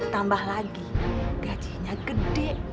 tambah lagi gajinya gede